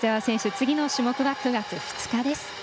次の種目は９月２日です。